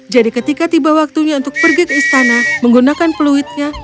jadi ketika tiba waktunya untuk pergi ke istana menggunakan peluitnya